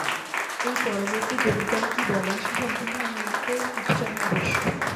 এই পরবর্তী যোগিগণ কি বলেন, সে-সম্বন্ধে আমাদের কিছু জানা আবশ্যক।